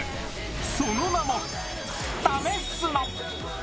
その名も「ためスノ」。